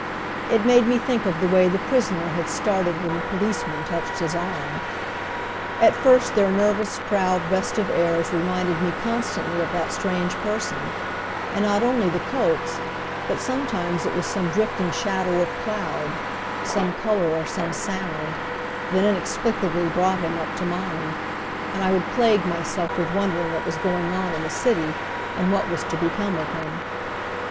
It made me think of the way the prisoner had started when the policeman touched his arm. At first their nervous, proud, restive airs reminded me constantly of that strange person; and not only the colts, but some times it was some drifting shadow of cloud, some color or some sound, that inexplicably brought him up to mind; and I would plague myself with wondering what was going on in the city, and what was to become of him.